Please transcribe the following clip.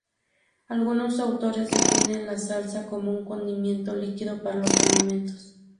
Algunos autores definen la salsa como un condimento líquido para los alimentos.